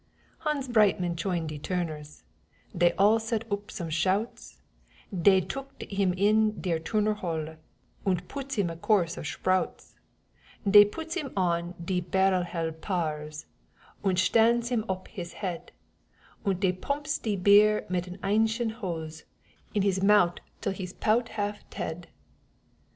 Hans Breitmann choined de Toorners, Dey all set oop some shouts, Dey took'd him into deir Toorner Hall, Und poots him a course of shprouts, Dey poots him on de barrell hell pars Und shtands him oop on his head, Und dey poomps de beer mit an enchine hose In his mout' dill he's 'pout half tead!